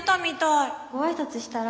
ご挨拶したら？